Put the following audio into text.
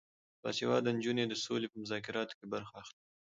باسواده نجونې د سولې په مذاکراتو کې برخه اخلي.